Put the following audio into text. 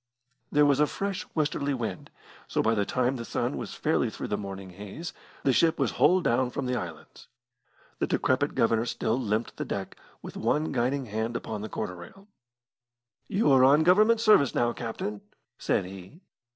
There was a fresh westerly wind, so by the time the sun was fairly through the morning haze, the ship was hull down from the islands. The decrepit Governor still limpid the deck, with one guiding hand upon the quarter rail. "You are on Government service now, captain," said he.